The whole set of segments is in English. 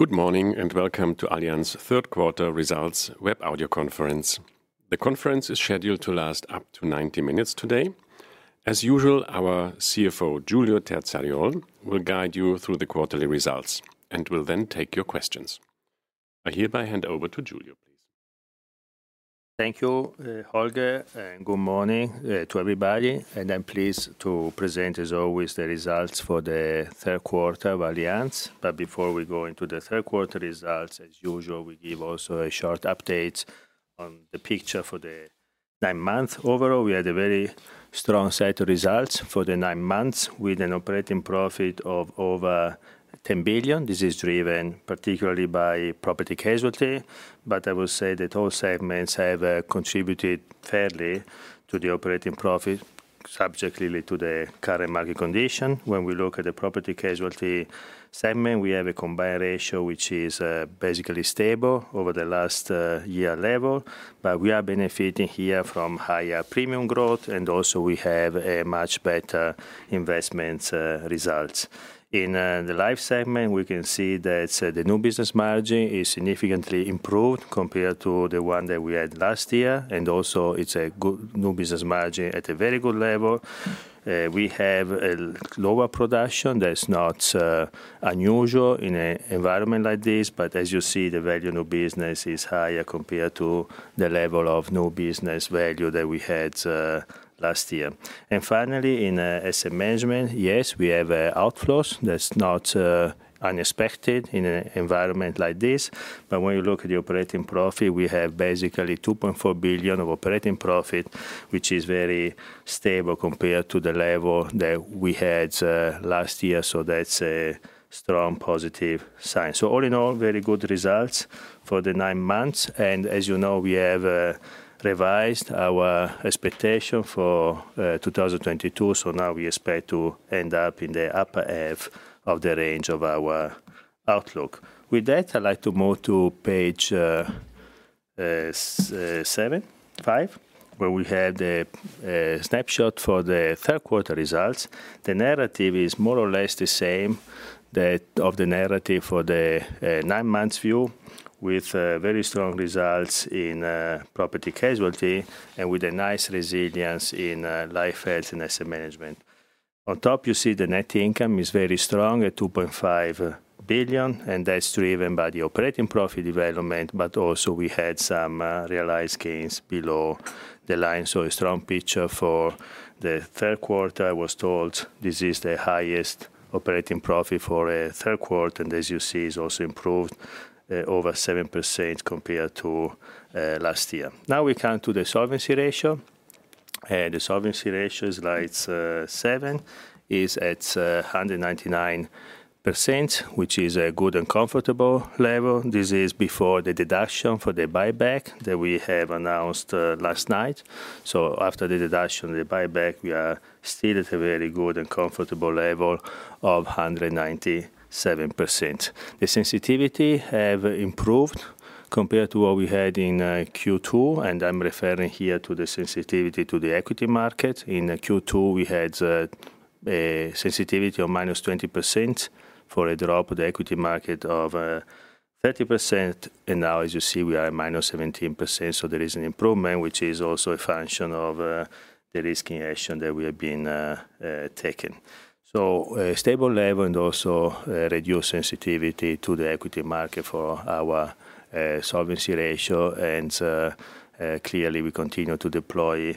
Good morning, and welcome to Allianz Third Quarter Results Web Audio Conference. The conference is scheduled to last up to 90 minutes today. As usual, our CFO, Giulio Terzariol, will guide you through the quarterly results and will then take your questions. I hereby hand over to Giulio, please. Thank you, Holger, and good morning to everybody. I'm pleased to present, as always, the results for the third quarter of Allianz. Before we go into the third quarter results, as usual, we give also a short update on the picture for the nine months. Overall, we had a very strong set of results for the nine months with an operating profit of over 10 billion. This is driven particularly by property-casualty, but I will say that all segments have contributed fairly to the operating profit, subject really to the current market condition. When we look at the property-casualty segment, we have a combined ratio, which is basically stable over the last year level. We are benefiting here from higher premium growth, and also we have a much better investment results. In the life segment, we can see that the new business margin is significantly improved compared to the one that we had last year, and also it's a good new business margin at a very good level. We have a lower production. That's not unusual in an environment like this, but as you see, the value of new business is higher compared to the level of value of new business that we had last year. Finally, in asset management, yes, we have outflows. That's not unexpected in an environment like this. When you look at the operating profit, we have basically 2.4 billion of operating profit, which is very stable compared to the level that we had last year. That's a strong positive sign. All in all, very good results for the nine months. As you know, we have revised our expectation for 2022. Now we expect to end up in the upper half of the range of our outlook. With that, I'd like to move to page 75, where we have the snapshot for the third quarter results. The narrative is more or less the same, that of the narrative for the nine months view, with very strong results in property-casualty and with a nice resilience in life and health, and asset management. On top, you see the net income is very strong at 2.5 billion, and that's driven by the operating profit development. But also, we had some realized gains below the line. A strong picture for the third quarter. I was told this is the highest operating profit for a third quarter, and as you see, it's also improved over 7% compared to last year. Now we come to the solvency ratio. The solvency ratio, slide seven, is at 199%, which is a good and comfortable level. This is before the deduction for the buyback that we have announced last night. After the deduction of the buyback, we are still at a very good and comfortable level of 197%. The sensitivity have improved compared to what we had in Q2, and I'm referring here to the sensitivity to the equity market. In Q2, we had a sensitivity of -20% for a drop of the equity market of 30%. Now as you see, we are at minus 17%. There is an improvement, which is also a function of the risk action that we have been taking. A stable level and also a reduced sensitivity to the equity market for our solvency ratio. Clearly we continue to deploy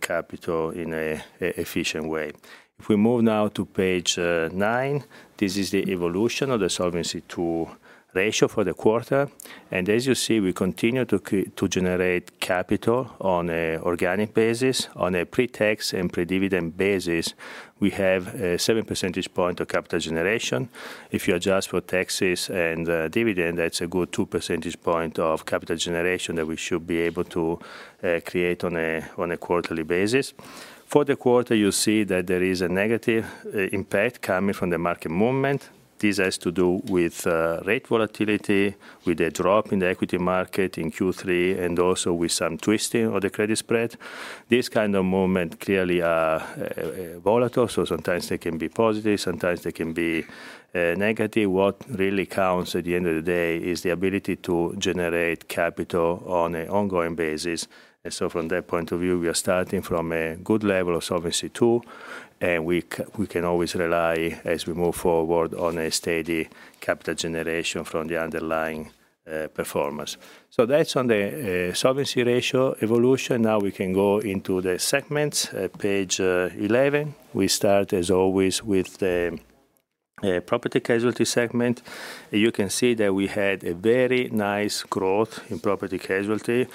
capital in an efficient way. If we move now to page 9, this is the evolution of the Solvency II ratio for the quarter. As you see, we continue to generate capital on an organic basis. On a pre-tax and pre-dividend basis, we have a 7 percentage point of capital generation. If you adjust for taxes and dividend, that's a good 2 percentage point of capital generation that we should be able to create on a quarterly basis. For the quarter, you see that there is a negative impact coming from the market movement. This has to do with rate volatility, with a drop in the equity market in Q3, and also with some twisting of the credit spread. These kind of movement clearly are volatile, so sometimes they can be positive, sometimes they can be negative. What really counts at the end of the day is the ability to generate capital on an ongoing basis. From that point of view, we are starting from a good level of Solvency II, and we can always rely as we move forward on a steady capital generation from the underlying performance. That's on the solvency ratio evolution. Now we can go into the segments at page 11. We start, as always, with the property-casualty segment. You can see that we had a very nice growth in property-casualty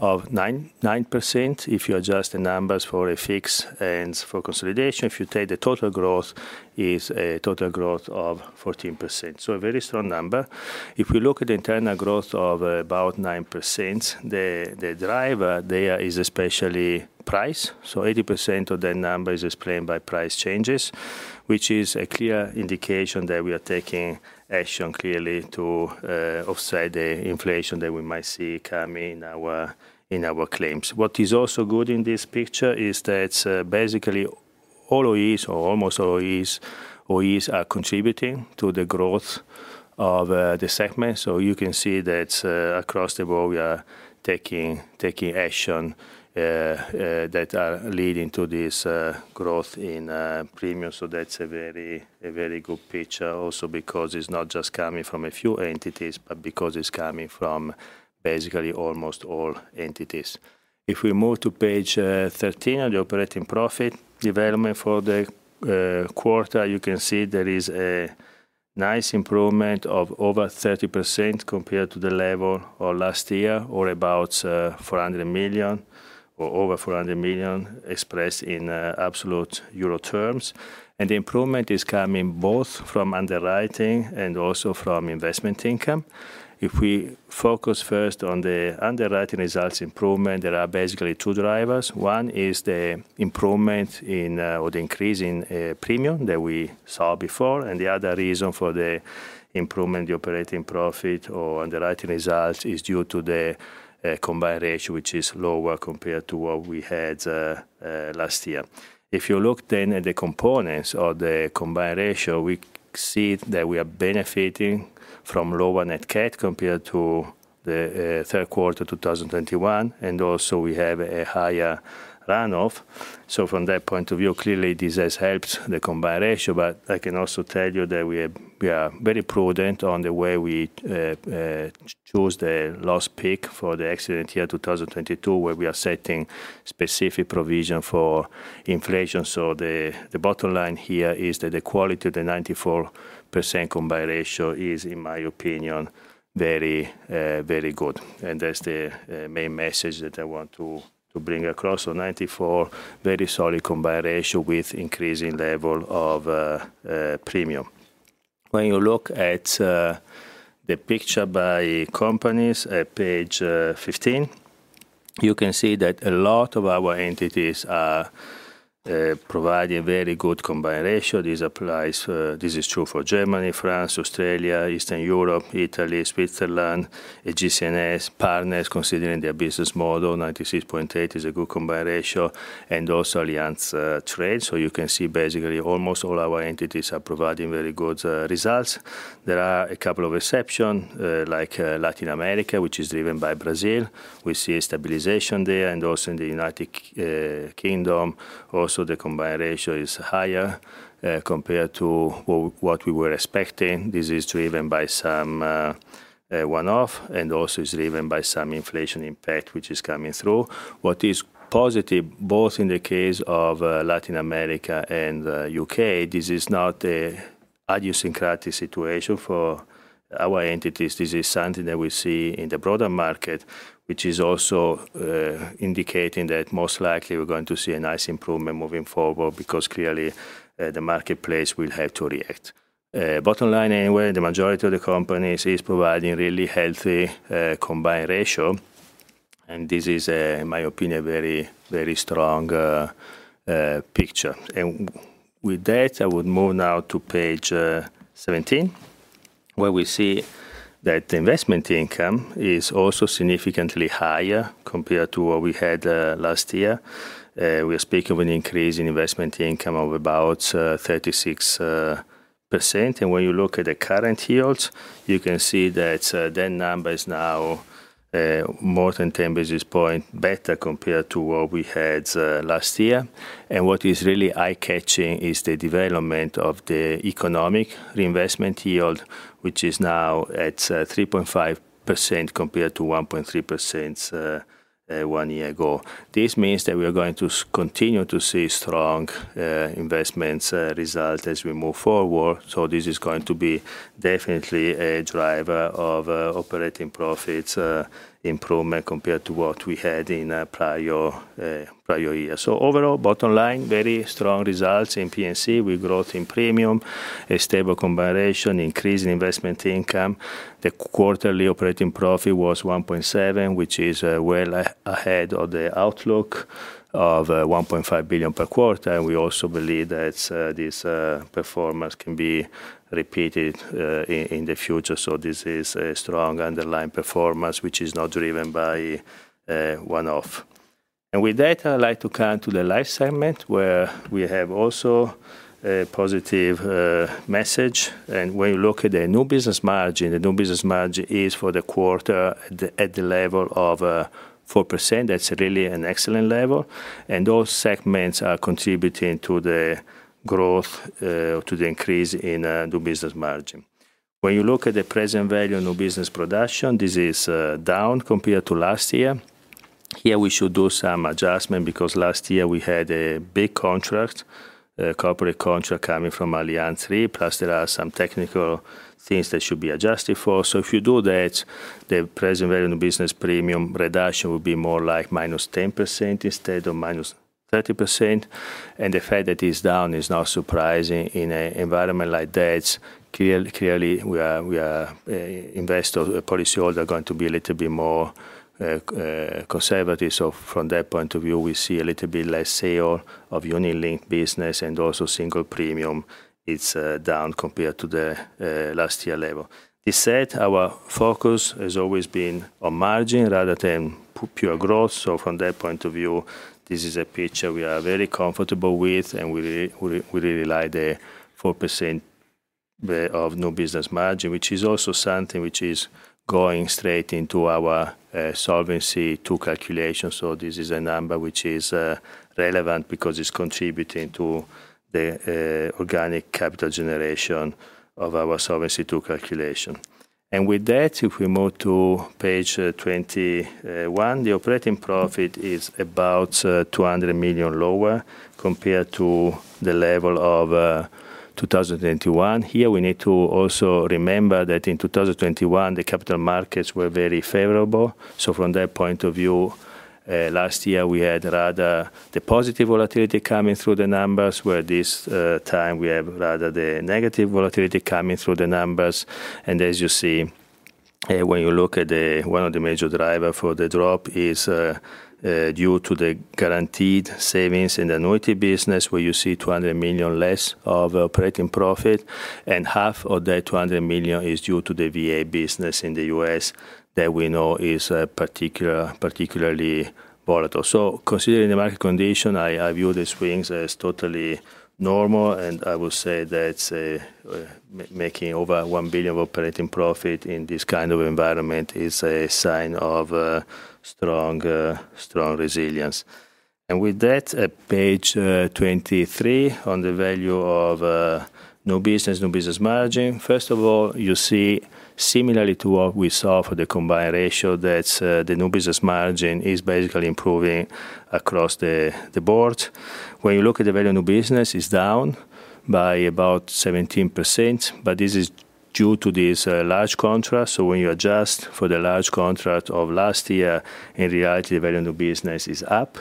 of 9% if you adjust the numbers for FX and for consolidation. If you take the total growth, is a total growth of 14%, so a very strong number. If we look at internal growth of about 9%, the driver there is especially price. So 80% of the number is explained by price changes, which is a clear indication that we are taking action clearly to offset the inflation that we might see coming in our claims. What is also good in this picture is that basically all OEs or almost all OEs are contributing to the growth of the segment. You can see that across the board we are taking action that are leading to this growth in premium. That's a very good picture also because it's not just coming from a few entities, but because it's coming from basically almost all entities. If we move to page 13 on the operating profit development for the quarter, you can see there is a nice improvement of over 30% compared to the level of last year or about 400 million or over 400 million expressed in absolute euro terms. The improvement is coming both from underwriting and also from investment income. If we focus first on the underwriting results improvement, there are basically two drivers. One is the improvement in, or the increase in, premium that we saw before, and the other reason for the improvement in the operating profit or underwriting results is due to the, combined ratio, which is lower compared to what we had, last year. If you look then at the components of the combined ratio, we see that we are benefiting from lower net CAT compared to the, third quarter 2021, and also we have a higher run-off. From that point of view, clearly this has helped the combined ratio. I can also tell you that we are very prudent on the way we choose the loss pick for the accident year 2022, where we are setting specific provision for inflation. The bottom line here is that the quality of the 94% combined ratio is, in my opinion, very good. That's the main message that I want to bring across. Ninety-four, very solid combined ratio with increasing level of premium. When you look at the picture by companies at page 15, you can see that a lot of our entities are providing very good combined ratio. This applies, this is true for Germany, France, Australia, Eastern Europe, Italy, Switzerland, AGCS, Partners considering their business model, 96.8% is a good combined ratio, and also Allianz Trade. You can see basically almost all our entities are providing very good results. There are a couple of exceptions like Latin America, which is driven by Brazil. We see a stabilization there and also in the United Kingdom. Also the combined ratio is higher compared to what we were expecting. This is driven by some one-off, and also it's driven by some inflation impact which is coming through. What is positive, both in the case of Latin America and U.K., this is not an idiosyncratic situation for our entities. This is something that we see in the broader market, which is also indicating that most likely we're going to see a nice improvement moving forward because clearly the marketplace will have to react. Bottom line anyway, the majority of the companies is providing really healthy combined ratio, and this is in my opinion very, very strong picture. With that, I would move now to page 17, where we see that investment income is also significantly higher compared to what we had last year. We are speaking of an increase in investment income of about 36%. When you look at the current yields, you can see that that number is now more than 10 basis points better compared to what we had last year. What is really eye-catching is the development of the economic reinvestment yield, which is now at 3.5% compared to 1.3% one year ago. This means that we are going to continue to see strong investment results as we move forward. This is going to be definitely a driver of operating profits improvement compared to what we had in prior year. Overall, bottom line, very strong results in P&C: growth in premium, a stable combined ratio, increase in investment income. The quarterly operating profit was 1.7 billion, which is well ahead of the outlook of 1.5 billion per quarter. We also believe that this performance can be repeated in the future. This is a strong underlying performance which is not driven by one-off. With that, I'd like to come to the Life segment, where we have also a positive message. When you look at the new business margin, the new business margin is for the quarter at the level of 4%. That's really an excellent level. All segments are contributing to the growth to the increase in new business margin. When you look at the present value of new business production, this is down compared to last year. Here we should do some adjustment because last year we had a big contract, a corporate contract coming from Allianz III, plus there are some technical things that should be adjusted for. If you do that, the present value of new business premium reduction will be more like minus 10% instead of minus 30%. The fact that it's down not surprising in an environment like that. Clearly, investor policyholders are going to be a little bit more conservative. From that point of view, we see a little bit less sale of unit-linked business and also single premium is down compared to the last year level. This said, our focus has always been on margin rather than pure growth. From that point of view, this is a picture we are very comfortable with, and we really like the 4% of new business margin, which is also something which is going straight into our Solvency II calculation. This is a number which is relevant because it's contributing to the organic capital generation of our Solvency II calculation. With that, if we move to page 21, the operating profit is about 200 million lower compared to the level of 2021. Here we need to also remember that in 2021, the capital markets were very favorable. From that point of view, last year we had rather the positive volatility coming through the numbers, where this time we have rather the negative volatility coming through the numbers. As you see, when you look at the one of the major driver for the drop is due to the guaranteed savings in the annuity business, where you see 200 million less of operating profit, and half of that 200 million is due to the VA business in the U.S. that we know is particularly volatile. Considering the market condition, I view the swings as totally normal, and I will say that making over 1 billion of operating profit in this kind of environment is a sign of strong resilience. With that, at page 23, on the value of new business, new business margin, first of all, you see similarly to what we saw for the combined ratio, that the new business margin is basically improving across the board. When you look at the value of new business, it's down by about 17%, but this is due to this large contract. When you adjust for the large contract of last year, in reality the value of new business is up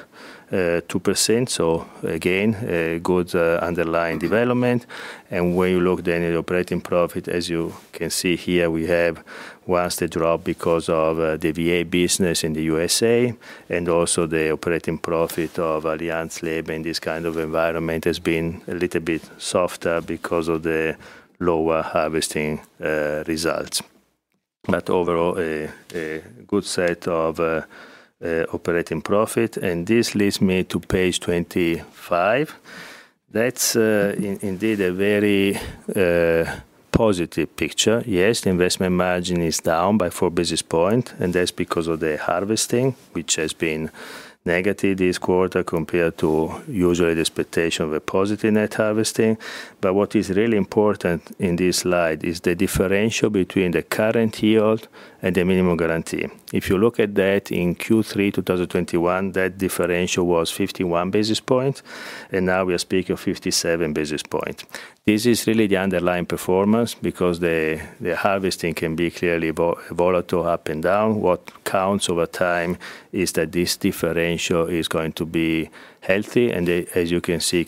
2%. Again, a good underlying development. When you look then at operating profit, as you can see here, we have seen the drop because of the VA business in the USA, and also the operating profit of Allianz Leben in this kind of environment has been a little bit softer because of the lower harvesting results. Overall a good set of operating profit. This leads me to page 25. That's indeed a very positive picture. Yes, the investment margin is down by four basis point, and that's because of the harvesting, which has been negative this quarter compared to usually the expectation of a positive net harvesting. What is really important in this slide is the differential between the current yield and the minimum guarantee. If you look at that in Q3 2021, that differential was 51 basis points, and now we are speaking 57 basis points. This is really the underlying performance because the harvesting can be clearly volatile up and down. What counts over time is that this differential is going to be healthy, and as you can see,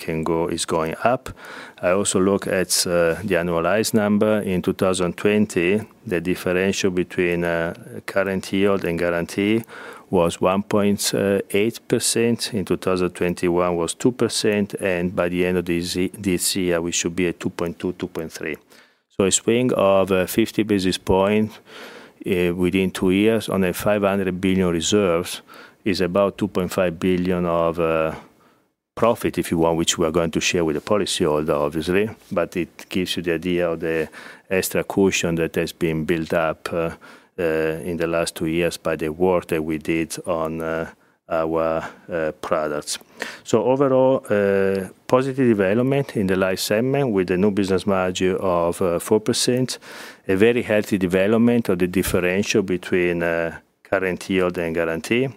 is going up. I also look at the annualized number. In 2020, the differential between current yield and guarantee was 1.8%. In 2021 was 2%. By the end of this year, we should be at 2.2-2.3%. A swing of 50 basis points within two years on 500 billion reserves is about 2.5 billion of profit, if you want, which we are going to share with the policyholder, obviously. It gives you the idea of the extra cushion that has been built up in the last two years by the work that we did on our products. Overall, positive development in the life segment with a new business margin of 4%. A very healthy development of the differential between current yield and guarantee.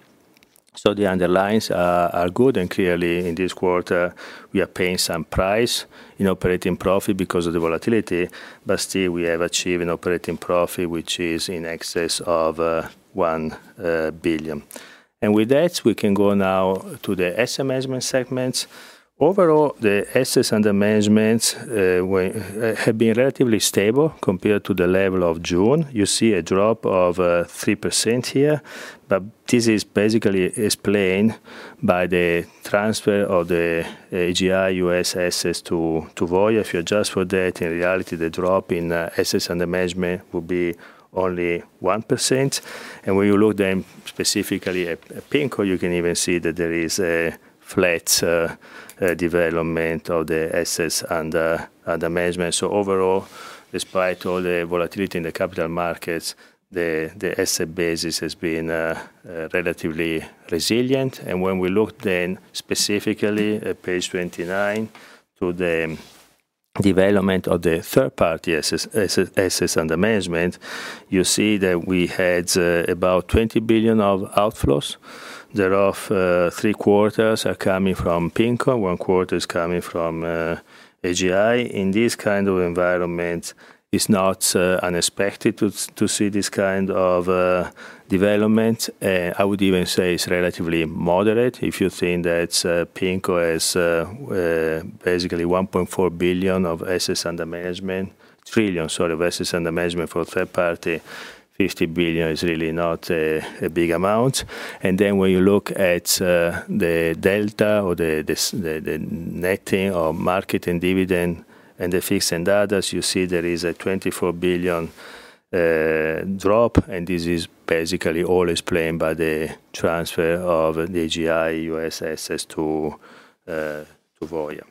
The underlyings are good, and clearly in this quarter we are paying some price in operating profit because of the volatility, but still we have achieved an operating profit which is in excess of 1 billion. With that, we can go now to the asset management segments. Overall, the assets under management have been relatively stable compared to the level of June. You see a drop of 3% here, but this is basically explained by the transfer of the AGI US assets to Voya. If you adjust for that, in reality the drop in assets under management will be only 1%. When you look then specifically at PIMCO, you can even see that there is a flat development of the assets under management. Overall, despite all the volatility in the capital markets, the asset base has been relatively resilient. When we look then specifically at page 29 to the development of the third-party assets under management, you see that we had about 20 billion of outflows. Thereof, three quarters are coming from PIMCO, one quarter is coming from AGI. In this kind of environment, it's not unexpected to see this kind of development. I would even say it's relatively moderate. If you think that PIMCO has basically 1.4 trillion, sorry, of assets under management for third party, 50 billion is really not a big amount. When you look at the delta or the netting or market and dividend and the fixed and others, you see there is a 24 billion drop, and this is basically all explained by the transfer of the AGI US assets to Voya.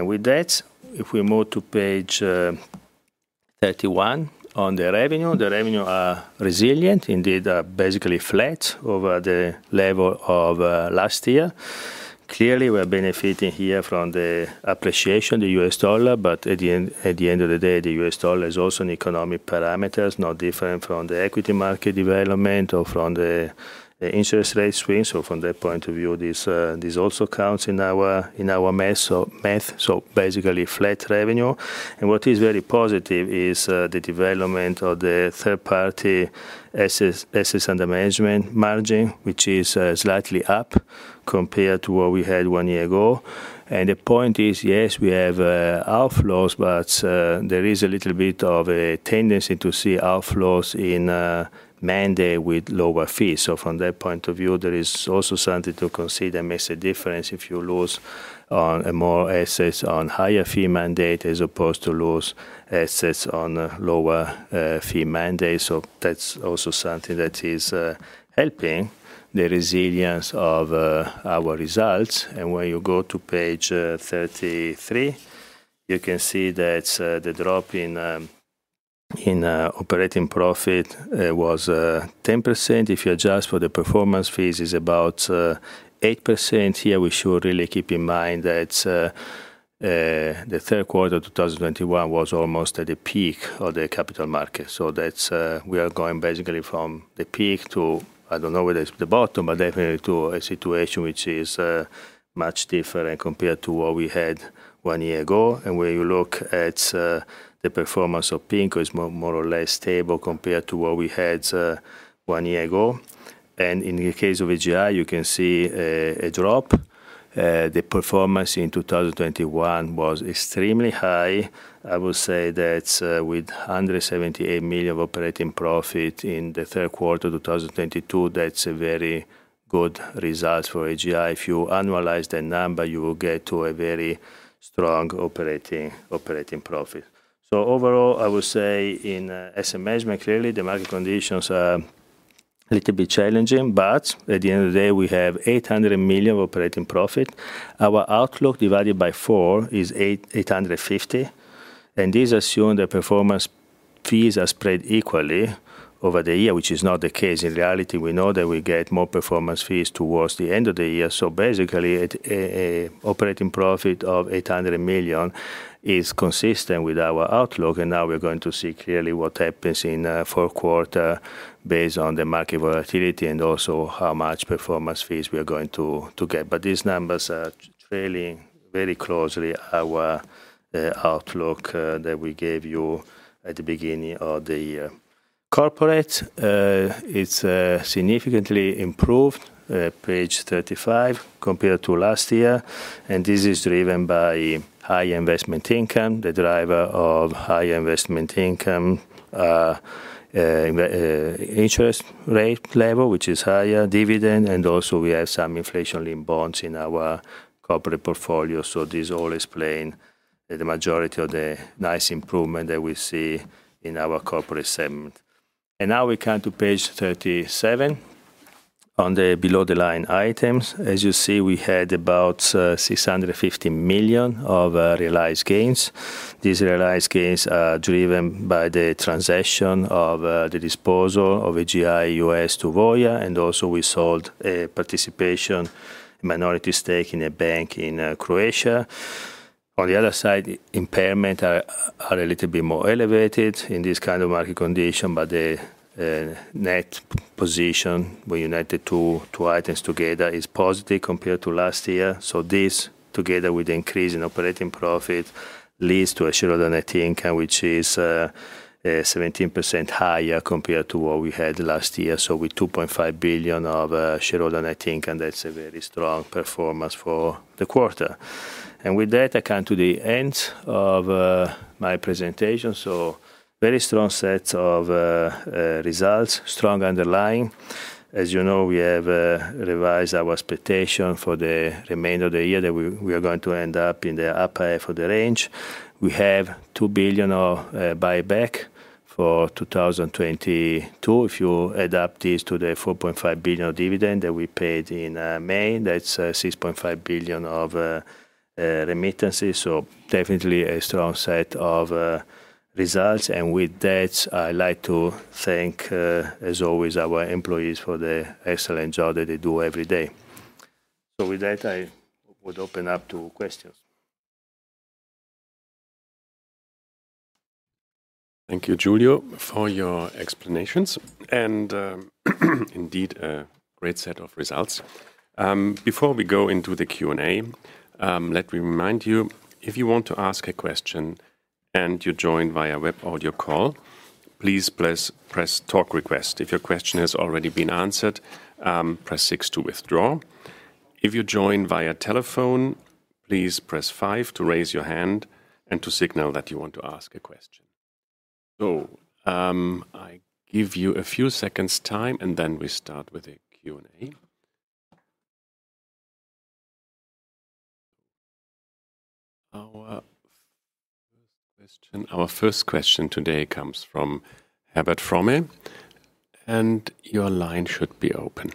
With that, if we move to page 31 on the revenue. The revenue are resilient, indeed are basically flat over the level of last year. Clearly, we are benefiting here from the appreciation of the US dollar, but at the end, at the end of the day, the US dollar is also an economic parameters, no different from the equity market development or from the interest rate stream. From that point of view, this also counts in our math. Basically flat revenue. What is very positive is the development of the third-party assets under management margin, which is slightly up compared to what we had one year ago. The point is, yes, we have outflows, but there is a little bit of a tendency to see outflows in mandate with lower fees. So from that point of view, there is also something to consider makes a difference if you lose on more assets on higher fee mandate as opposed to lose assets on lower fee mandate. So that's also something that is helping the resilience of our results. When you go to page 33, you can see that the drop in operating profit was 10%. If you adjust for the performance fees is about 8%. Here we should really keep in mind that the third quarter of 2021 was almost at the peak of the capital market. That's we are going basically from the peak to, I don't know whether it's the bottom, but definitely to a situation which is much different compared to what we had one year ago. When you look at the performance of PIMCO is more or less stable compared to what we had one year ago. In the case of AGI, you can see a drop. The performance in 2021 was extremely high. I would say that with 178 million of operating profit in the third quarter of 2022, that's a very good result for AGI. If you annualize the number, you will get to a very strong operating profit. Overall, I would say in asset management, clearly the market conditions are a little bit challenging, but at the end of the day, we have 800 million operating profit. Our outlook divided by four is 850 million, and this assumes the performance fees are spread equally over the year, which is not the case. In reality, we know that we get more performance fees towards the end of the year. Basically at a operating profit of 800 million is consistent with our outlook, and now we're going to see clearly what happens in fourth quarter based on the market volatility and also how much performance fees we are going to get. These numbers are trailing very closely our outlook that we gave you at the beginning of the year. Corporate, it's significantly improved, page 35, compared to last year, and this is driven by high investment income. The driver of high investment income in the interest rate level, which is higher dividend, and also we have some inflation in bonds in our corporate portfolio. So this all explain the majority of the nice improvement that we see in our corporate segment. Now we come to page 37. On the below the line items, as you see, we had about 650 million of realized gains. These realized gains are driven by the transaction of the disposal of AGI US to Voya, and also we sold a participation minority stake in a bank in Croatia. On the other side, impairments are a little bit more elevated in this kind of market condition, but the net position, we netted two items together, is positive compared to last year. This, together with the increase in operating profit, leads to a shareholder net income which is 17% higher compared to what we had last year. With 2.5 billion of shareholder net income, that's a very strong performance for the quarter. With that, I come to the end of my presentation. Very strong set of results, strong underlying. As you know, we have revised our expectation for the remainder of the year that we are going to end up in the upper half of the range. We have 2 billion of buyback for 2022.If you adapt this to the 4.5 billion of dividend that we paid in May, that's 6.5 billion of remittances. Definitely a strong set of results. With that, I'd like to thank, as always, our employees for the excellent job that they do every day. With that, I would open up to questions. Thank you, Giulio, for your explanations and, indeed, a great set of results. Before we go into the Q&A, let me remind you, if you want to ask a question and you joined via web audio call, please press Talk Request. If your question has already been answered, press six to withdraw. If you joined via telephone, please press five to raise your hand and to signal that you want to ask a question. I give you a few seconds' time, and then we start with the Q&A. Our first question today comes from Herbert Fromme. Your line should be open.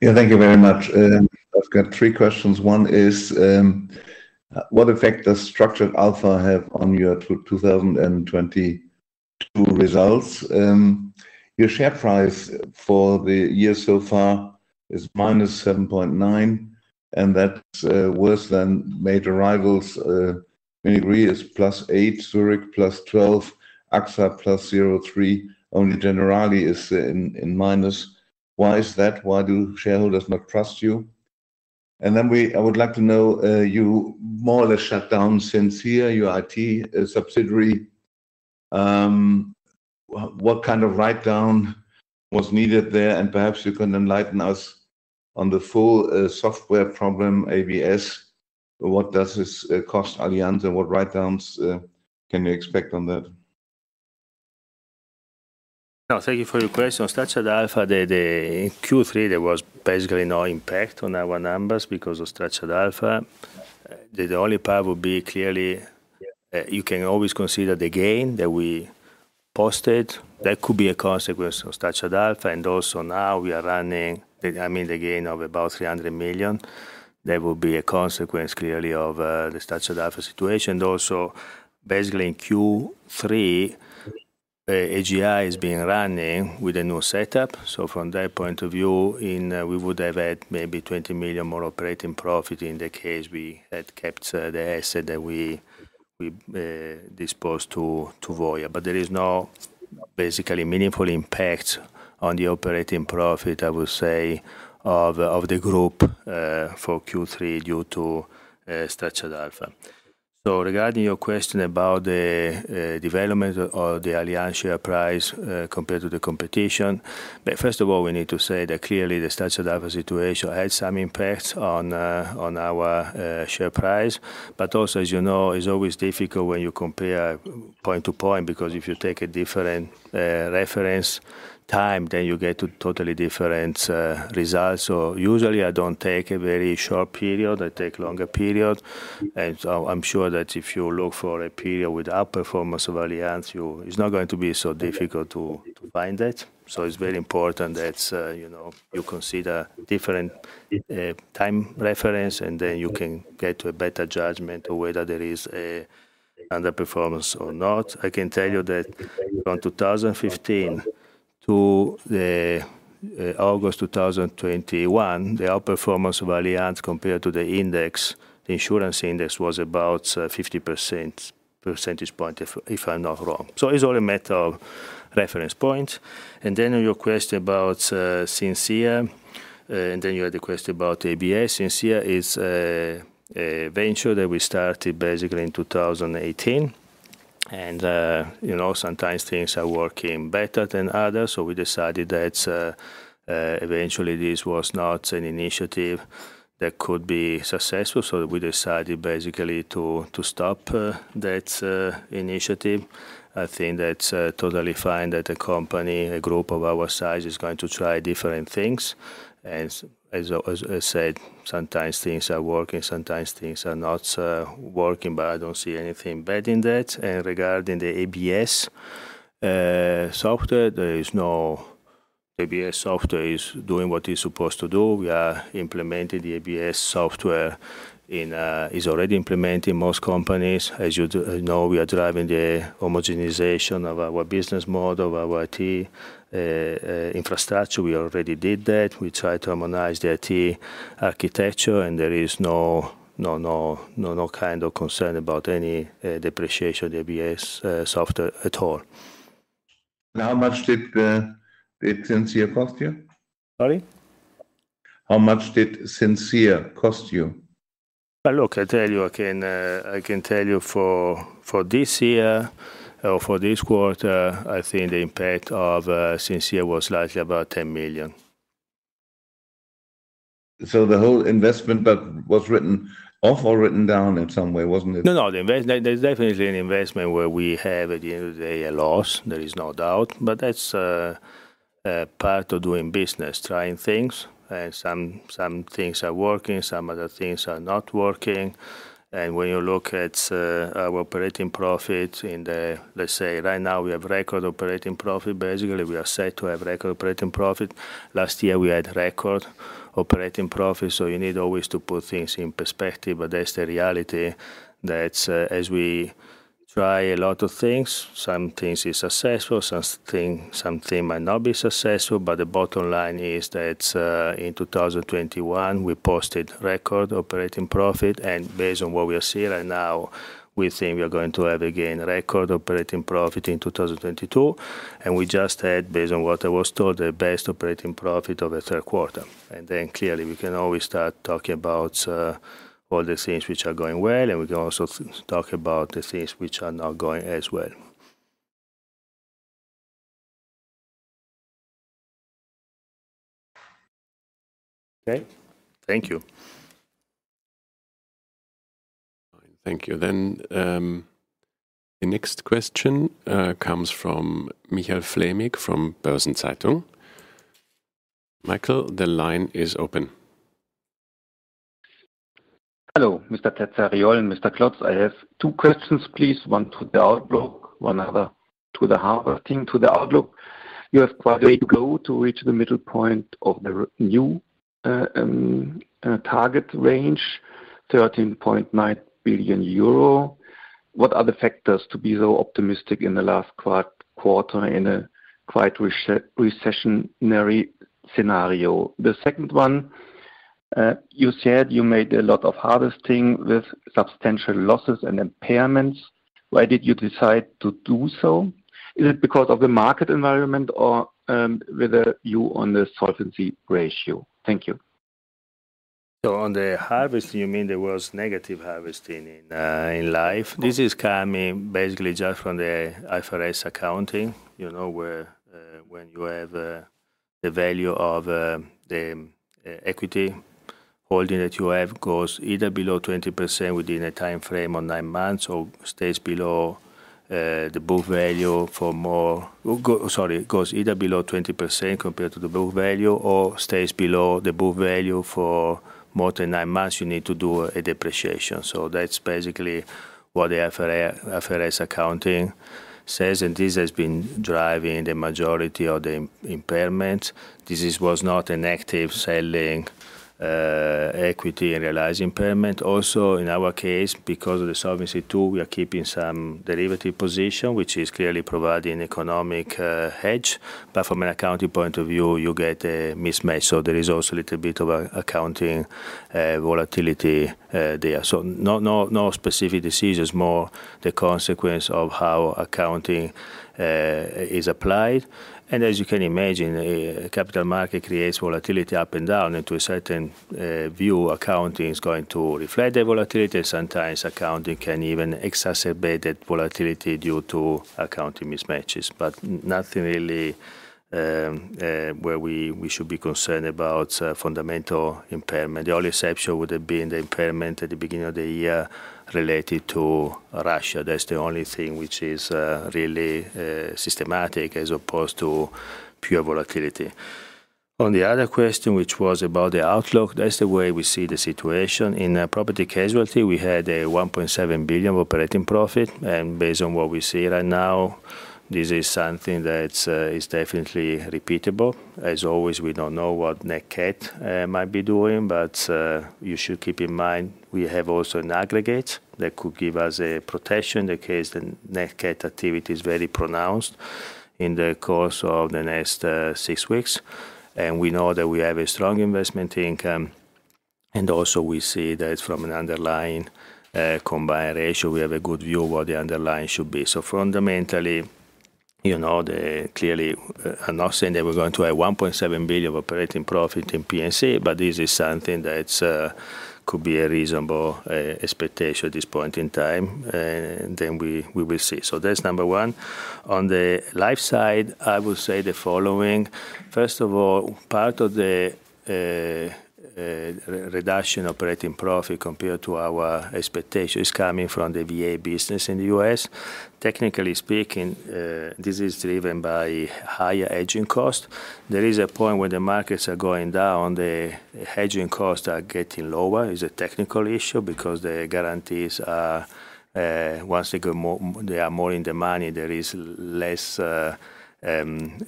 Yeah, thank you very much. I've got three questions. One is, what effect does Structured Alpha have on your 2022 results? Your share price for the year so far is -7.9%, and that's worse than major rivals. Munich Re is +8%, Zurich +12%, AXA +0.3%. Only Generali is in minus. Why is that? Why do shareholders not trust you? I would like to know, you more or less shut down Syncier, your IT subsidiary. What kind of write-down was needed there? Perhaps you can enlighten us on the full software problem, ABS. What does this cost Allianz, and what write-downs can you expect on that? No, thank you for your question. On Structured Alpha, the Q3, there was basically no impact on our numbers because of Structured Alpha. The only part would be clearly, you can always consider the gain that we posted. That could be a consequence of Structured Alpha. Also now we are running, I mean, the gain of about 300 million. That would be a consequence clearly of the Structured Alpha situation. Also, basically in Q3, AGI has been running with a new setup. From that point of view, we would have had maybe 20 million more operating profit in the case we had kept the asset that we disposed to Voya. There is no basically meaningful impact on the operating profit, I would say, of the group for Q3 due to Structured Alpha. Regarding your question about the development of the Allianz share price compared to the competition. First of all, we need to say that clearly the Structured Alpha situation had some impact on our share price. Also, as you know, it's always difficult when you compare point to point, because if you take a different reference time, then you get to totally different results. Usually I don't take a very short period, I take longer period. I'm sure that if you look for a period with outperformance of Allianz, it's not going to be so difficult to find that. It's very important that you know you consider different time reference, and then you can get a better judgment whether there is a underperformance or not. I can tell you that from 2015 to August 2021, the outperformance of Allianz compared to the index, the insurance index, was about 50 percentage points, if I'm not wrong. It's only a matter of reference point. Then on your question about Syncier, and then you had a question about ABS. Syncier is a venture that we started basically in 2018. You know, sometimes things are working better than others. We decided that eventually this was not an initiative that could be successful. We decided basically to stop that initiative. I think that's totally fine that a company, a group of our size is going to try different things. As I said, sometimes things are working, sometimes things are not working, but I don't see anything bad in that. Regarding the ABS software, there is no ABS software is doing what is supposed to do. We are implementing the ABS software is already implemented in most companies. As you know, we are driving the homogenization of our business model, our IT infrastructure. We already did that. We try to harmonize the IT architecture, and there is no kind of concern about any depreciation ABS software at all. How much did Syncier cost you? Sorry? How much did Syncier cost you? Well, look, I tell you again, I can tell you for this year or for this quarter, I think the impact of Syncier was largely about 10 million. The whole investment fund was written off or written down in some way, wasn't it? There's definitely an investment where we have, at the end of the day, a loss. There is no doubt. That's a part of doing business, trying things, and some things are working, some other things are not working. When you look at our operating profit, let's say right now we have record operating profit. Basically, we are set to have record operating profit. Last year we had record operating profit. You need always to put things in perspective. That's the reality that as we try a lot of things, some things is successful, some things might not be successful. The bottom line is that in 2021, we posted record operating profit. Based on what we are seeing right now, we think we are going to have again record operating profit in 2022. We just had, based on what I was told, the best operating profit of the third quarter. Then clearly we can always start talking about all the things which are going well, and we can also talk about the things which are not going as well. Okay, thank you. Thank you. The next question comes from Michael Flämig from Börsen-Zeitung. Michael, the line is open. Hello, Mr. Terzariol and Mr. Klotz. I have two questions, please. One to the outlook, one other to the harvesting. To the outlook, you have quite a way to go to reach the middle point of the new target range, 13.9 billion euro. What are the factors to be so optimistic in the last quarter in a quite recessionary scenario? The second one, you said you made a lot of harvesting with substantial losses and impairments. Why did you decide to do so? Is it because of the market environment or with a view on the solvency ratio? Thank you. On the harvesting, you mean there was negative harvesting in Life. This is coming basically just from the IFRS accounting, you know, where when you have the value of the equity holding that you have goes either below 20% compared to the book value or stays below the book value for more than nine months, you need to do a depreciation. That's basically what the IFRS accounting says. This has been driving the majority of the impairment. This was not an active selling equity and realized impairment. Also, in our case, because of the Solvency II, we are keeping some derivative position, which is clearly providing economic hedge. From an accounting point of view, you get a mismatch. There is also a little bit of an accounting volatility there. No specific decisions, more the consequence of how accounting is applied. As you can imagine, a capital market creates volatility up and down. To a certain view, accounting is going to reflect the volatility. Sometimes accounting can even exacerbate that volatility due to accounting mismatches. Nothing really where we should be concerned about fundamental impairment. The only exception would have been the impairment at the beginning of the year related to Russia. That's the only thing which is really systematic as opposed to pure volatility. On the other question, which was about the outlook, that's the way we see the situation. In property-casualty, we had a 1.7 billion operating profit. Based on what we see right now, this is something that's definitely repeatable. As always, we don't know what net cat might be doing, but you should keep in mind we have also an aggregate that could give us a protection in case the net cat activity is very pronounced in the course of the next 6 weeks. We know that we have a strong investment income, and also we see that from an underlying combined ratio, we have a good view of what the underlying should be. Fundamentally, you know, clearly, I'm not saying that we're going to have 1.7 billion of operating profit in P&C, but this is something that's could be a reasonable expectation at this point in time, then we will see. That's number one. On the Life side, I will say the following. First of all, part of the reduction operating profit compared to our expectation is coming from the VA business in the U.S. Technically speaking, this is driven by higher hedging cost. There is a point when the markets are going down, the hedging costs are getting lower. It's a technical issue because the guarantees are, once they go more, they are more in the money, there is less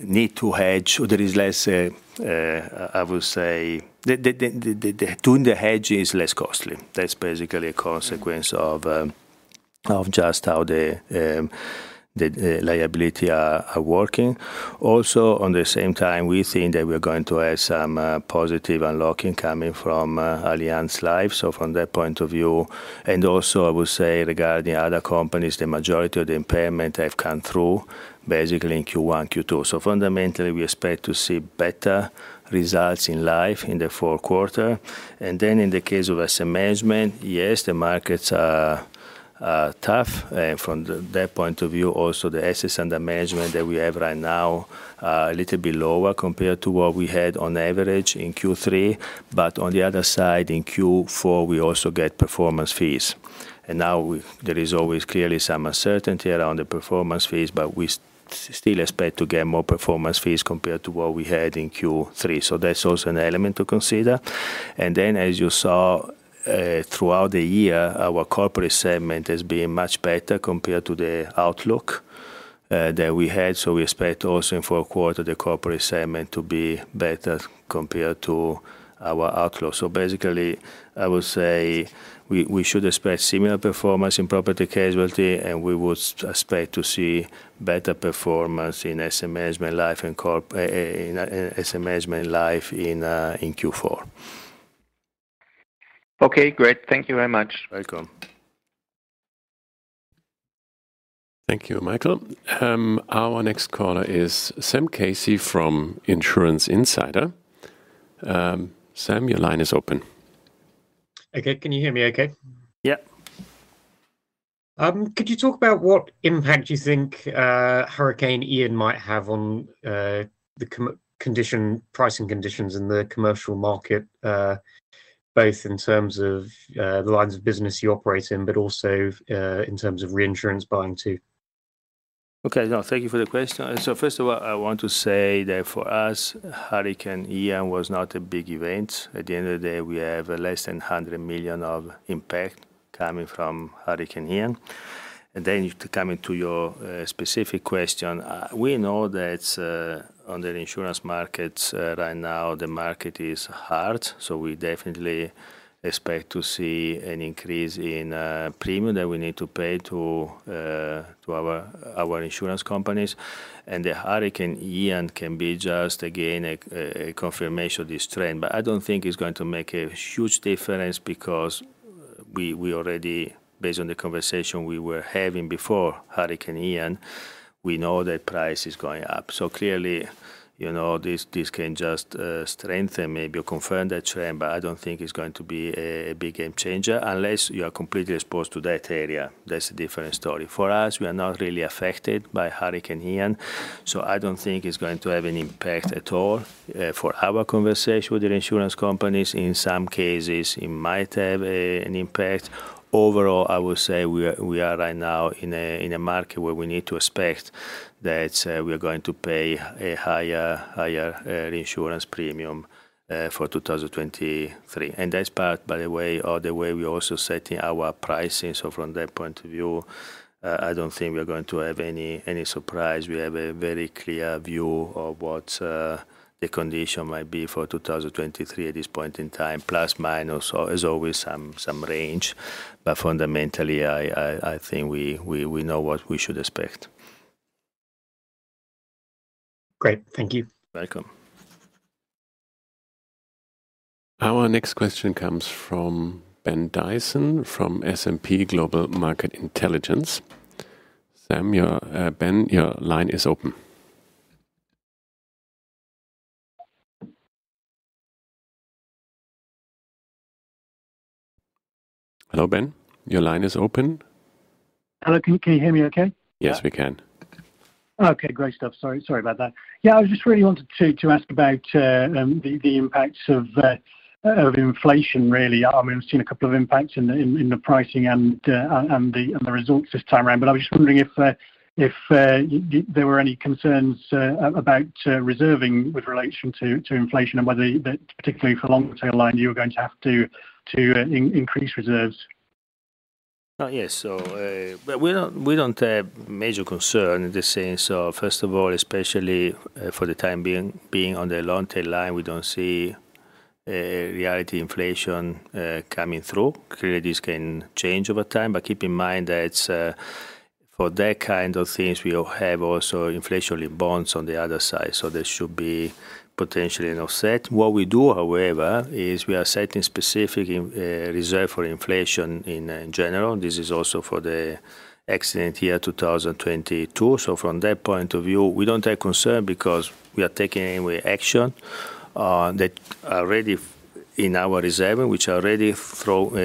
need to hedge. There is less, I would say, the hedging is less costly. That's basically a consequence of just how the liabilities are working. Also, at the same time, we think that we're going to have some positive unlocking coming from Allianz Life. From that point of view, and also I would say regarding other companies, the majority of the impairment have come through basically in Q1, Q2. Fundamentally, we expect to see better results in Life in the fourth quarter. Then in the case of asset management, yes, the markets are tough. From that point of view, also the assets under management that we have right now are a little bit lower compared to what we had on average in Q3. On the other side, in Q4, we also get performance fees. Now there is always clearly some uncertainty around the performance fees, but we still expect to get more performance fees compared to what we had in Q3. That's also an element to consider. As you saw, throughout the year, our corporate segment has been much better compared to the outlook that we had. We expect also in fourth quarter, the corporate segment to be better compared to our outlook. Basically, I would say we should expect similar performance in property-casualty, and we would expect to see better performance in asset management and Life in Q4. Okay, great. Thank you very much. Welcome. Thank you, Michael. Our next caller is Sam Casey from Insurance Insider. Sam, your line is open. Okay. Can you hear me okay? Yeah. Could you talk about what impact you think Hurricane Ian might have on the pricing conditions in the commercial market, both in terms of the lines of business you operate in, but also in terms of reinsurance buying too? No, thank you for the question. First of all, I want to say that for us, Hurricane Ian was not a big event. At the end of the day, we have less than 100 million of impact coming from Hurricane Ian. Coming to your specific question, we know that on the insurance markets right now the market is hard, so we definitely expect to see an increase in premium that we need to pay to our insurance companies. The Hurricane Ian can be just again a confirmation of this trend. I don't think it's going to make a huge difference because we already based on the conversation we were having before Hurricane Ian, we know that price is going up. Clearly, you know, this can just strengthen, maybe confirm that trend, but I don't think it's going to be a big game changer unless you are completely exposed to that area. That's a different story. For us, we are not really affected by Hurricane Ian, so I don't think it's going to have an impact at all for our conversation with the insurance companies. In some cases it might have an impact. Overall, I will say we are right now in a market where we need to expect that we are going to pay a higher insurance premium for 2023. That's part, by the way, of the way we are also setting our pricing. From that point of view, I don't think we are going to have any surprise. We have a very clear view of what the condition might be for 2023 at this point in time, plus minus as always some range. Fundamentally, I think we know what we should expect. Great. Thank you. Welcome. Our next question comes from Ben Dyson from S&P Global Market Intelligence. Ben, your line is open. Hello, Ben. Your line is open. Hello. Can you hear me okay? Yes, we can. Okay. Great stuff. Sorry about that. Yeah, I just really wanted to ask about the impacts of inflation really. I mean, we've seen a couple of impacts in the pricing and the results this time around, but I was just wondering if there were any concerns about reserving with relation to inflation and whether that particularly for long tail line you were going to have to increase reserves. Yes. We don't have major concern in the sense of, first of all, especially, for the time being on the long tail line, we don't see real inflation coming through. Clearly this can change over time, but keep in mind that, for that kind of things, we'll have also inflationary bonds on the other side. They should be potentially an offset. What we do, however, is we are setting specific reserves for inflation in general. This is also for the accident year 2022. From that point of view, we don't have concern because we are taking action anyway, that already in our reserve, which already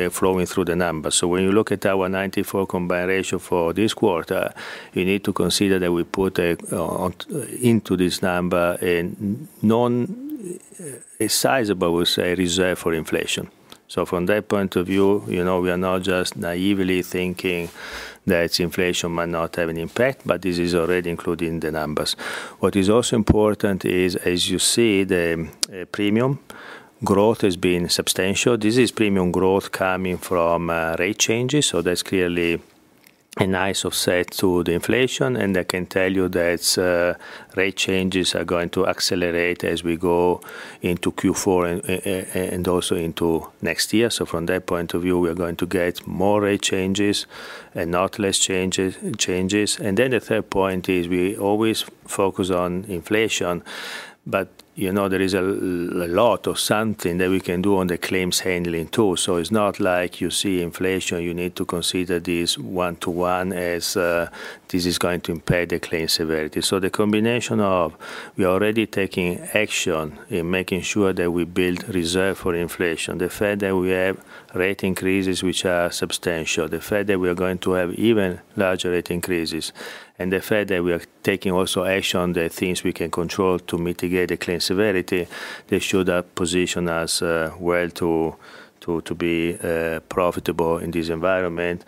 flowing through the numbers. When you look at our 94 combined ratio for this quarter, you need to consider that we put into this number a sizable, we'll say, reserve for inflation. From that point of view, you know, we are not just naively thinking that inflation might not have an impact, but this is already included in the numbers. What is also important is, as you see, the premium growth has been substantial. This is premium growth coming from rate changes. That's clearly a nice offset to the inflation, and I can tell you that rate changes are going to accelerate as we go into Q4 and also into next year. From that point of view, we are going to get more rate changes and not less changes. The third point is we always focus on inflation, but you know, there is a lot of something that we can do on the claims handling too. It's not like you see inflation, you need to consider this one to one as this is going to impact the claim severity. The combination of we are already taking action in making sure that we build reserve for inflation. The fact that we have rate increases which are substantial, the fact that we are going to have even larger rate increases, and the fact that we are taking also action on the things we can control to mitigate the claim severity, they should position us well to be profitable in this environment.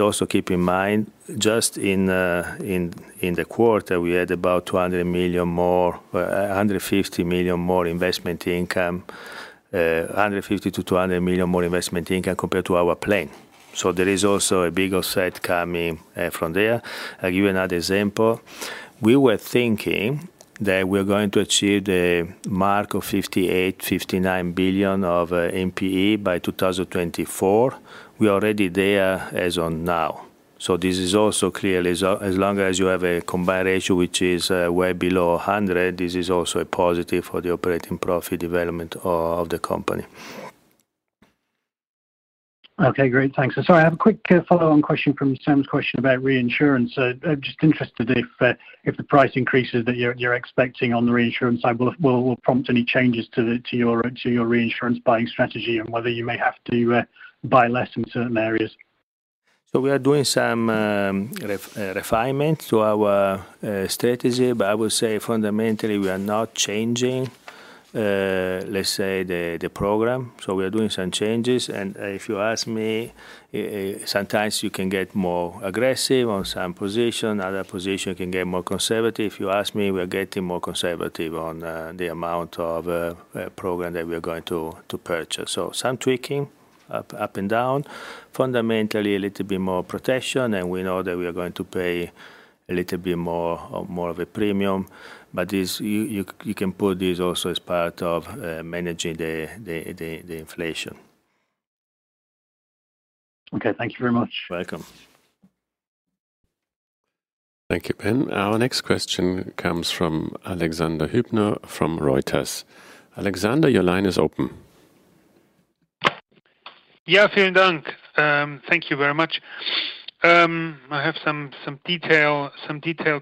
Also keep in mind just in the quarter, we had about 200 million more, 150 million more investment income, 150 to 200 million more investment income compared to our plan. There is also a big offset coming from there. I give you another example. We were thinking that we are going to achieve the mark of 58-59 billion of NPE by 2024. We are already there as of now. This is also clearly, as long as you have a combined ratio, which is way below 100, this is also a positive for the operating profit development of the company. Okay. Great. Thanks. Sorry, I have a quick follow-on question from Sam's question about reinsurance. Just interested if the price increases that you're expecting on the reinsurance side will prompt any changes to your reinsurance buying strategy and whether you may have to buy less in certain areas. We are doing some refinement to our strategy, but I would say fundamentally we are not changing, let's say the program. We are doing some changes. If you ask me, sometimes you can get more aggressive on some position, other position you can get more conservative. If you ask me, we are getting more conservative on the amount of program that we are going to purchase. Some tweaking up and down. Fundamentally, a little bit more protection, and we know that we are going to pay a little bit more of a premium. But you can put this also as part of managing the inflation. Okay. Thank you very much. Welcome. Thank you, Ben. Our next question comes from Alexander Hübner from Reuters. Alexander, your line is open. Yeah. „Vielen Dank." Thank you very much. I have some detailed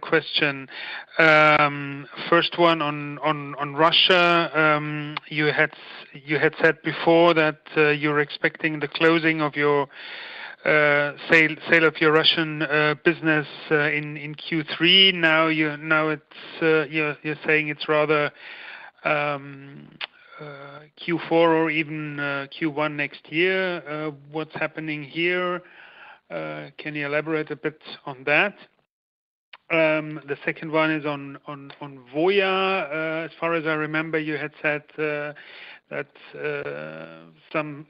question. First one on Russia. You had said before that you're expecting the closing of your sale of your Russian business in Q3. Now it's rather Q4 or even Q1 next year. What's happening here? Can you elaborate a bit on that? The second one is on Voya. As far as I remember, you had said that some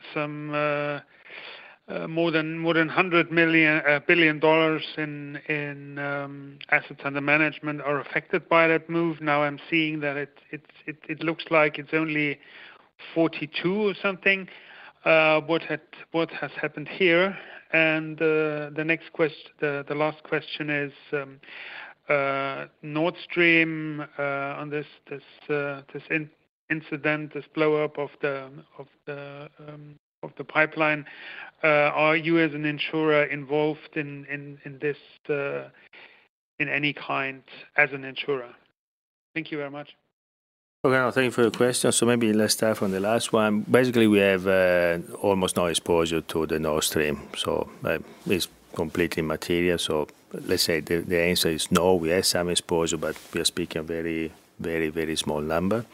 more than $100 billion in assets under management are affected by that move. Now I'm seeing that it looks like it's only $42 billion or something. What has happened here? The last question is, Nord Stream, on this incident, the blow up of the pipeline, are you as an insurer involved in this in any kind as an insurer? Thank you very much. Okay. Thank you for your question. Maybe let's start from the last one. Basically, we have almost no exposure to the Nord Stream, so it's completely immaterial. Let's say the answer is no. We have some exposure, but we are speaking of a very small number.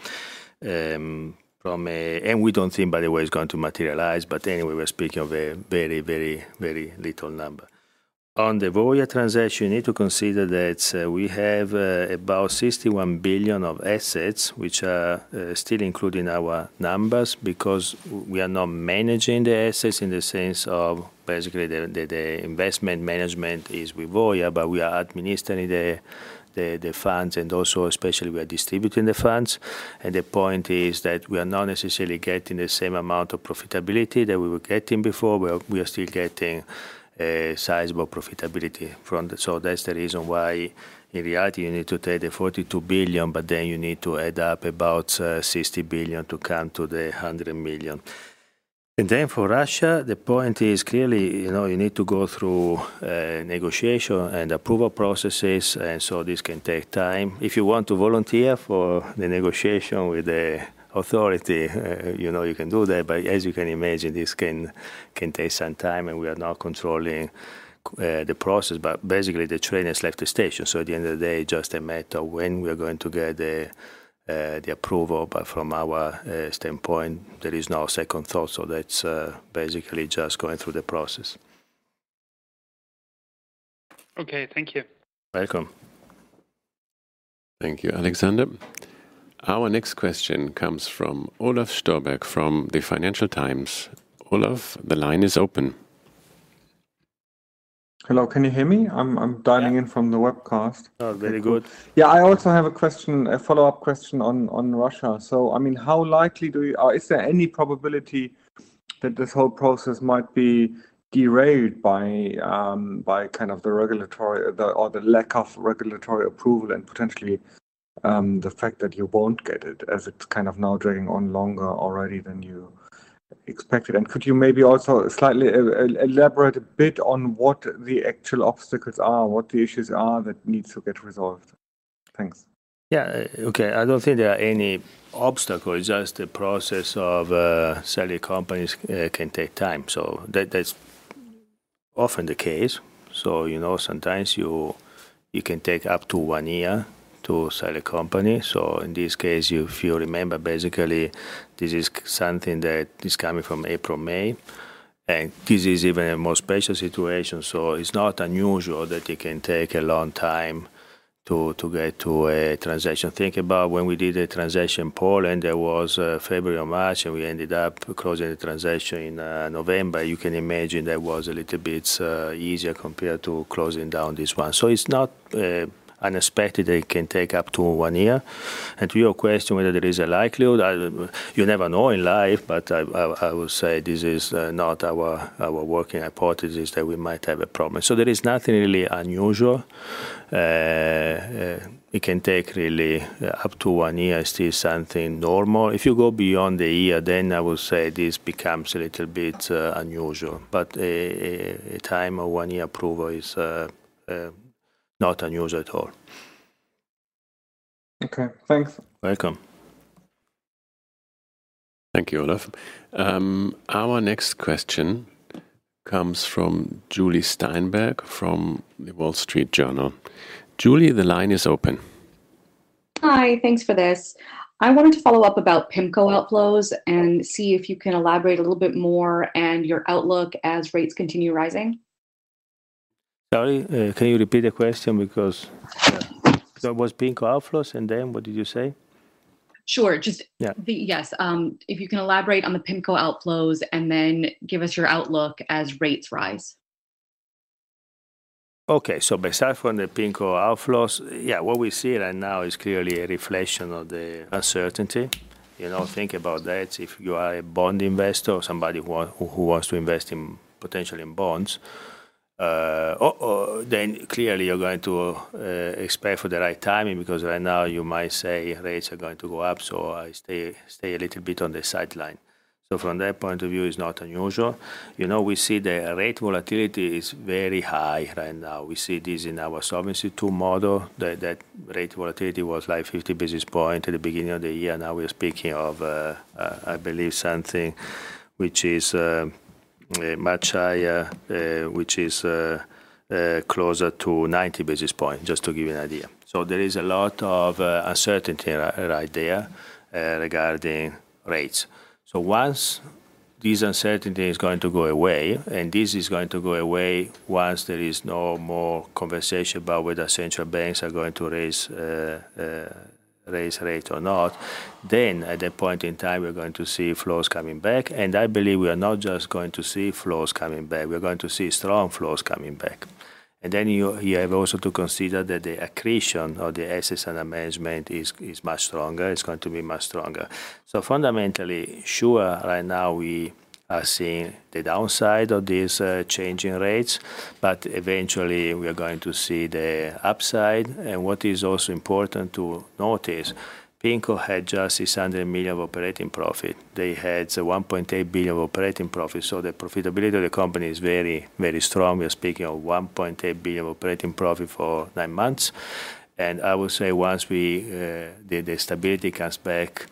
We don't think by the way it's going to materialize, but anyway, we're speaking of a very little number. On the Voya transaction, you need to consider that we have about 61 billion of assets which are still included in our numbers because we are not managing the assets in the sense of basically the investment management is with Voya, but we are administering the funds and also especially we are distributing the funds. The point is that we are not necessarily getting the same amount of profitability that we were getting before. We are still getting a sizable profitability from that. That's the reason why in reality you need to take the 42 billion, but then you need to add up about 60 billion to come to the 100 billion. For Russia, the point is clearly, you know, you need to go through negotiation and approval processes, and so this can take time. If you want to volunteer for the negotiation with the authority, you know you can do that. As you can imagine, this can take some time, and we are now controlling the process. Basically the train has left the station, so at the end of the day, just a matter when we are going to get the approval. From our standpoint, there is no second thought. That's basically just going through the process. Okay. Thank you. Welcome. Thank you, Alexander. Our next question comes from Olaf Storbeck from the Financial Times. Olaf, the line is open. Hello, can you hear me? I'm dialing in from the webcast. Oh, very good. Yeah. I also have a question, a follow-up question on Russia. I mean, how likely is there any probability that this whole process might be derailed by kind of the regulatory or the lack of regulatory approval and potentially the fact that you won't get it as it's kind of now dragging on longer already than you expected? Could you maybe also slightly elaborate a bit on what the actual obstacles are, what the issues are that needs to get resolved? Thanks. Yeah. Okay. I don't think there are any obstacles, just the process of selling companies can take time. That's often the case. You know, sometimes you can take up to one year to sell a company. In this case, if you remember, basically this is something that is coming from April, May, and this is even a more special situation. It's not unusual that it can take a long time to get to a transaction. Think about when we did a transaction in Poland, it was February or March, and we ended up closing the transaction in November. You can imagine that was a little bit easier compared to closing down this one. It's not unexpected that it can take up to one year. To your question, whether there is a likelihood, I'd... You never know in life, but I would say this is not our working hypothesis that we might have a problem. There is nothing really unusual. It can take really up to one year. It's still something normal. If you go beyond a year, then I would say this becomes a little bit unusual. A time of one year approval is not unusual at all. Okay. Thanks. Welcome. Thank you, Olaf. Our next question comes from Julie Steinberg from The Wall Street Journal. Julie, the line is open. Hi. Thanks for this. I wanted to follow up about PIMCO outflows and see if you can elaborate a little bit more and your outlook as rates continue rising? Sorry, can you repeat the question because that was PIMCO outflows, and then what did you say? Sure. Yeah. Yes, if you can elaborate on the PIMCO outflows and then give us your outlook as rates rise. Okay. Besides from the PIMCO outflows, yeah, what we see right now is clearly a reflection of the uncertainty. You know, think about that. If you are a bond investor or somebody who wants to invest in potentially in bonds, or then clearly you're going to expect for the right timing because right now you might say rates are going to go up, so I stay a little bit on the sideline. From that point of view it's not unusual. You know, we see the rate volatility is very high right now. We see this in our Solvency II model. That rate volatility was like 50 basis points at the beginning of the year. Now we're speaking of, I believe something which is much higher, which is closer to 90 basis points, just to give you an idea. There is a lot of uncertainty right there regarding rates. Once this uncertainty is going to go away, and this is going to go away once there is no more conversation about whether central banks are going to raise rates or not, then at that point in time we're going to see flows coming back. I believe we are not just going to see flows coming back, we're going to see strong flows coming back. You have also to consider that the accretion of the assets under management is much stronger. It's going to be much stronger. Fundamentally, sure, right now we are seeing the downside of this changing rates, but eventually we are going to see the upside. What is also important to notice, PIMCO had just this 100 million of operating profit. They had one point eight billion of operating profit. The profitability of the company is very, very strong. We are speaking of 1.8 billion of operating profit for nine months. I would say once the stability comes back,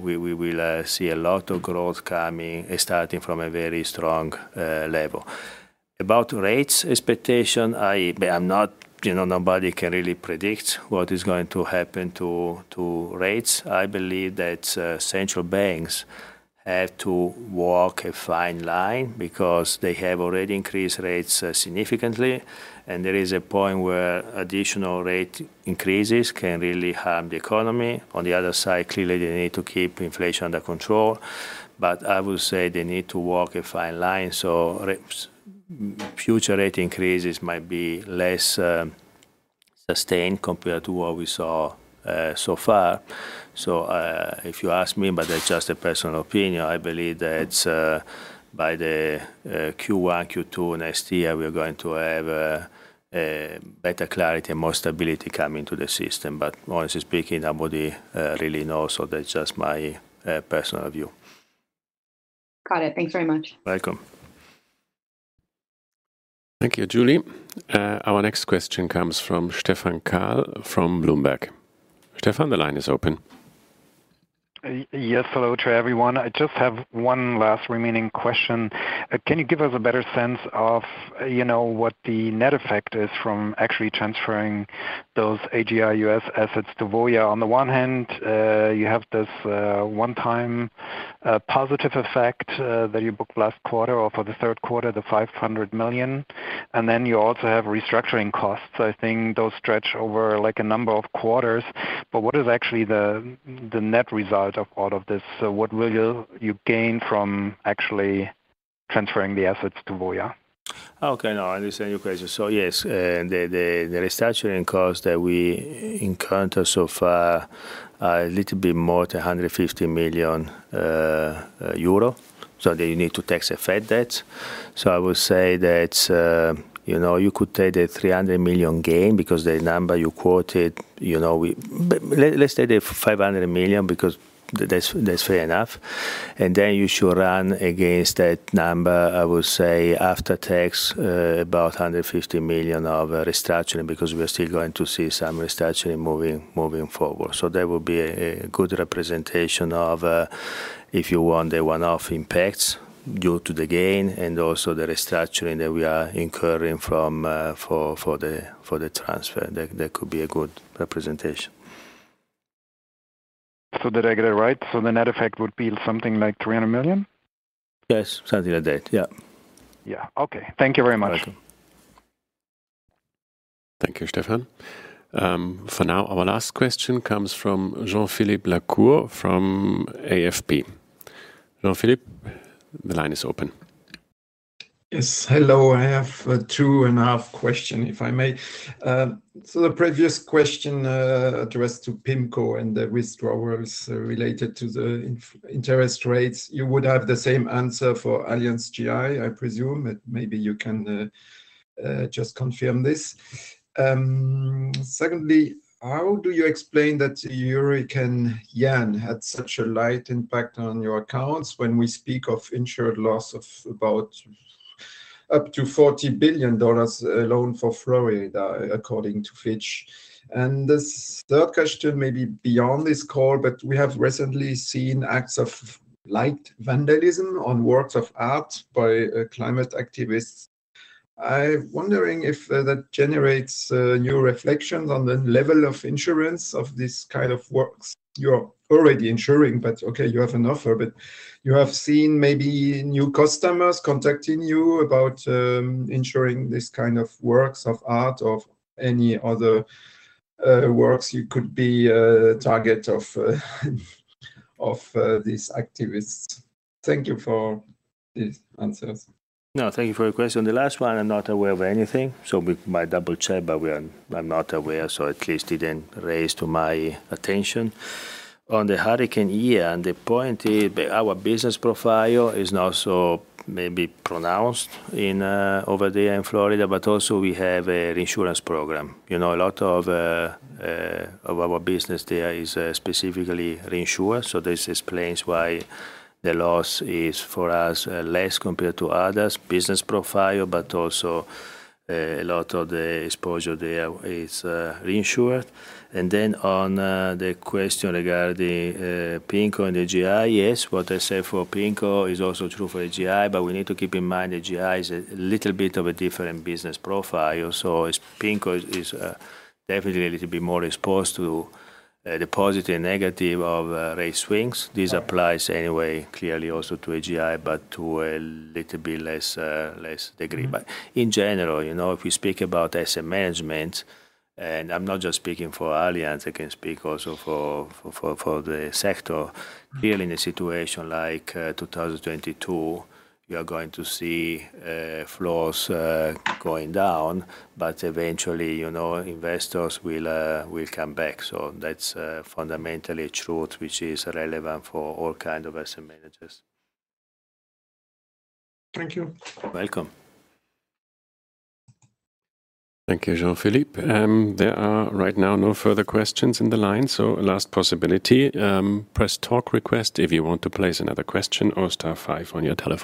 we will see a lot of growth coming starting from a very strong level. About rates expectation, I am not. You know, nobody can really predict what is going to happen to rates. I believe that central banks have to walk a fine line because they have already increased rates significantly, and there is a point where additional rate increases can really harm the economy. On the other side, clearly they need to keep inflation under control. I would say they need to walk a fine line, future rate increases might be less sustained compared to what we saw so far. If you ask me, but that's just a personal opinion, I believe that by the Q1, Q2 next year, we are going to have better clarity and more stability coming to the system. Honestly speaking, nobody really knows, so that's just my personal view. Got it. Thanks very much. Welcome. Thank you, Julie. Our next question comes from Stephan Kahl from Bloomberg. Stephan, the line is open. Yes. Hello to everyone. I just have one last remaining question. Can you give us a better sense of, you know, what the net effect is from actually transferring those AGI US assets to Voya? On the one hand, you have this one-time positive effect that you booked last quarter or for the third quarter, the 500 million, and then you also have restructuring costs. I think those stretch over, like, a number of quarters. But what is actually the net result of all of this? What will you gain from actually transferring the assets to Voya? Okay. No, I understand your question. Yes, the restructuring cost that we encounter of a little bit more than 150 million euro. You need to tax effect that. I would say that, you know, you could take the 300 million gain because the number you quoted, you know, we. But let's take the 500 million because that's fair enough, and then you should run against that number, I would say after tax, about 150 million of restructuring, because we're still going to see some restructuring moving forward. That would be a good representation of, if you want the one-off impacts due to the gain and also the restructuring that we are incurring from, for the transfer. That could be a good representation. Did I get it right? The net effect would be something like 300 million. Yes. Something like that. Yeah. Yeah. Okay. Thank you very much. Welcome. Thank you, Stephan Kahl. For now, our last question comes from Jean-Philippe Lacour from AFP. Jean-Philippe, the line is open. Yes. Hello. I have two and a half question, if I may. So, the previous question addressed to PIMCO and the withdrawals related to the interest rates, you would have the same answer for Allianz GI, I presume. Maybe you can just confirm this. Secondly, how do you explain that euro and yen had such a slight impact on your accounts when we speak of insured loss of about up to $40 billion alone for Florida, according to Fitch. This third question may be beyond this call, but we have recently seen acts of slight vandalism on works of art by climate activists. I'm wondering if that generates new reflections on the level of insurance of this kind of works. You're already insuring, but okay, you have enough for. You have seen maybe new customers contacting you about ensuring this kind of works of art or any other works you could be a target of these activists. Thank you for these answers. No, thank you for your question. The last one, I'm not aware of anything, so we might double-check, but at least it didn't come to my attention. On the Hurricane Ian, the point is our business profile is not so much pronounced in over there in Florida, but also, we have a reinsurance program. You know, a lot of our business there is specifically reinsured, so this explains why the loss for us is less compared to others. Business profile, but also a lot of the exposure there is reinsured. On the question regarding PIMCO and AGI. Yes, what I say for PIMCO is also true for AGI, but we need to keep in mind AGI is a little bit of a different business profile. As PIMCO is definitely a little bit more exposed to the positives and negatives of rate swings. This applies anyway clearly also to AGI, but to a little bit less degree. In general, you know, if you speak about asset management, and I'm not just speaking for Allianz, I can speak also for the sector. Really in a situation like 2022, you are going to see flows going down, but eventually, you know, investors will come back. That's fundamentally true, which is relevant for all kind of asset managers. Thank you. Welcome. Thank you, Jean-Philippe. There are right now no further questions in the line. Last possibility, press talk request if you want to place another question or star five on your telephone.